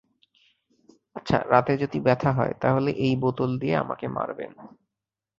আচ্ছা, রাতে যদি ব্যথা হয়, তাহলে এই বোতল দিয়ে আমাকে মারবেন।